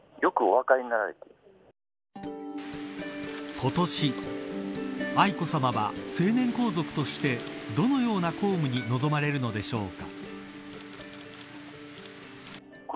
今年愛子さまは、成年皇族としてどのような公務に臨まれるのでしょうか。